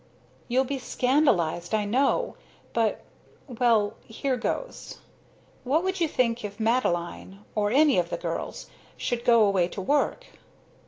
"You'll be scandalised, I know but well, here goes. What would you think if Madeline or any of the girls should go away to work?"